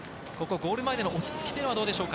ゴール前での落ち着きはどうでしょうか？